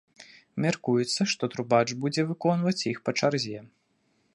Мяркуецца, што трубач будзе выконваць іх па чарзе.